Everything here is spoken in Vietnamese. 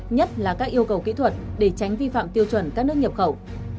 nhất là các yêu cầu kỹ thuật để tránh vi phạm tiêu chuẩn các nước nhập khẩu